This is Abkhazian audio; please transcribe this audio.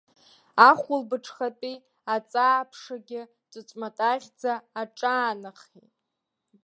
Ахәылбыҽхатәи аҵааԥшагьы ҵәыҵәматаӷьӡа аҿаанахеит.